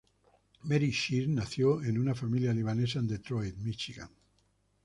Mary Scheer nació en una familia libanesa en Detroit, Míchigan.